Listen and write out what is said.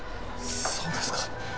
そうですか。